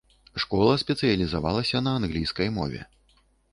Школа спецыялізавалася на англійскай мове.